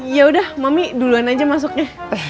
yaudah mami duluan aja masuknya